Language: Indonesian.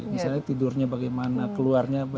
misalnya tidurnya bagaimana keluarnya